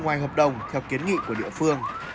ngoài hợp đồng theo kiến nghị của địa phương